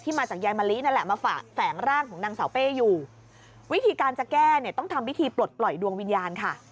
มาจากยายมะลินั่นแหละมาฝากแฝงร่างของนางสาวเป้อยู่วิธีการจะแก้เนี่ยต้องทำพิธีปลดปล่อยดวงวิญญาณค่ะ